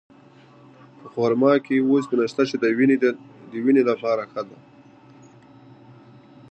په خرما کې اوسپنه شته، چې د وینې لپاره ښه ده.